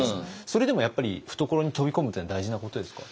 それでもやっぱり懐に飛び込むというのは大事なことですか？